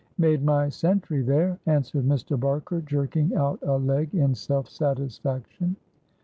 "Made my century, there," answered Mr. Barker, jerking out a leg in self satisfaction.